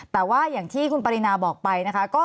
แต่ว่าอย่างที่คุณปรินาบอกไปนะคะ